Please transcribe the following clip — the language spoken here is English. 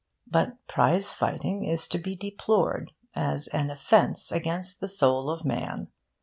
But prize fighting is to be deplored as an offence against the soul of man.